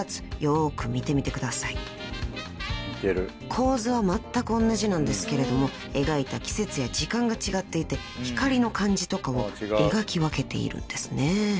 ［構図はまったくおんなじなんですけれども描いた季節や時間が違っていて光の感じとかを描き分けているんですね］